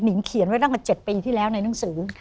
งเขียนไว้ตั้งแต่๗ปีที่แล้วในหนังสือ